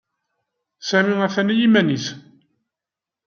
Sami a-t-an i yiman-nnes.